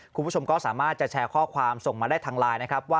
คุณผู้ชมก็สามารถจะแชร์ข้อคำส่งมาได้ทางไลน์